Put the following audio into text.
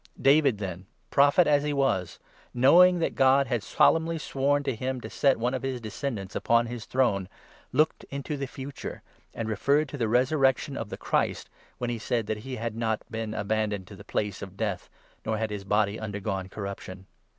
David, then, Prophet as 30 he was, knowing that God ' had solemnly sworn to him to set one of his descendants upon his throne,' looked into the future, 31 and referred to the resurrection of the Christ when he said that ' he had not been abandoned to the Place of Death, nor had his body undergone corruption.'